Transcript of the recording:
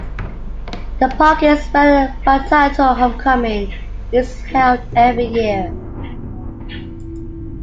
The park is where the Bethalto Homecoming is held every year.